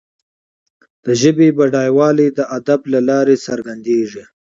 د ژبي بډایوالی د ادب له لارې څرګندیږي.